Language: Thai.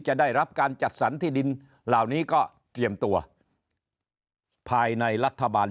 ได้รับการจัดสรรที่ดินเหล่านี้ก็เตรียมตัวภายในรัฐบาล